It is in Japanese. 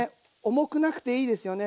重くなくていいですよね。